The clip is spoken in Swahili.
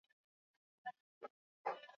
Kuna maeneo mengi ya kuzuru huku Nairobi